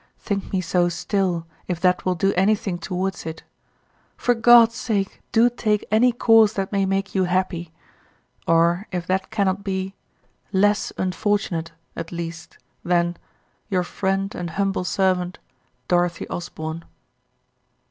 Think me so still if that will do anything towards it. For God's sake do take any course that may make you happy; or, if that cannot be, less unfortunate at least than Your friend and humble servant, D. OSBORNE.